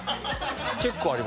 結構あります。